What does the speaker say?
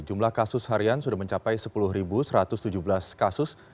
jumlah kasus harian sudah mencapai sepuluh satu ratus tujuh belas kasus